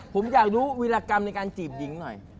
ผมอยากรู้วิรากรรมในการจีบหญิงหน่อย